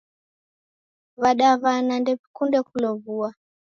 W'adaw'ana ndew'ikunde kulow'ua.